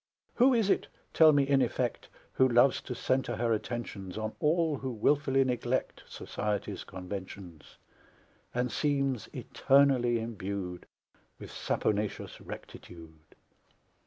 Who is it, tell me, in effect, Who loves to centre her attentions On all who wilfully neglect Society's conventions, And seems eternally imbued With saponaceous rectitude?